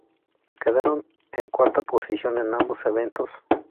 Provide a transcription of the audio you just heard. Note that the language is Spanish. Quedaron en cuarta posición en ambos eventos.